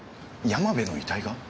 山部の遺体が？